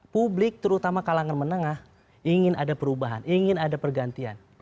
publik terutama kalangan menengah ingin ada perubahan ingin ada pergantian